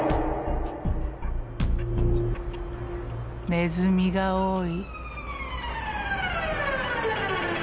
ネズミが多い。